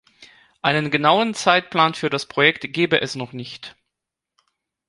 Einen genauen Zeitplan für das Projekt gebe es noch nicht.